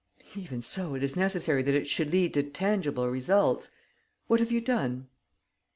Even so, it is necessary that it should lead to tangible results. What have you done?"